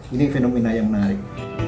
ini fenomena yang menarik